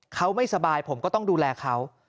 เขาไม่สบายผมก็ต้องดูแลเขา